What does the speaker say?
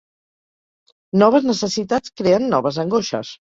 Noves necessitats creen noves angoixes.